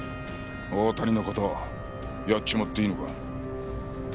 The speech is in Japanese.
大谷の事やっちまっていいのか？